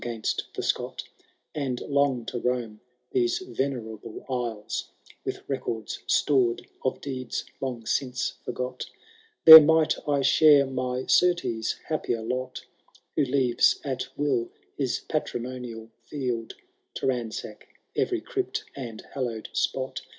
Canto III, And long to roam these yeneiable aisles, With records stored of deeds long since forgot ; There might I share my Surtees' ^ happier lot. Who leaves at will his patrimonial field To ransack every crypt and hallowM spot.